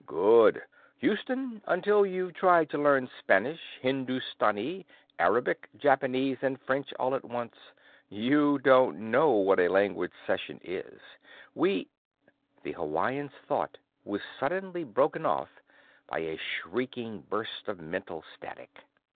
"Good! Houston, until you've tried to learn Spanish, Hindustani, Arabic, Japanese, and French all at once, you don't know what a language session is. We " The Hawaiian's thought was suddenly broken off by a shrieking burst of mental static.